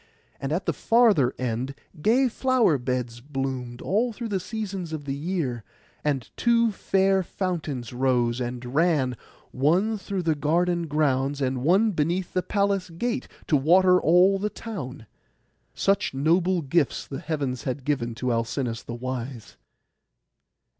And at the farther end gay flower beds bloomed through all seasons of the year; and two fair fountains rose, and ran, one through the garden grounds, and one beneath the palace gate, to water all the town. Such noble gifts the heavens had given to Alcinous the wise.